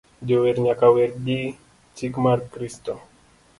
Jower nyaka wer gi chik mar Kristo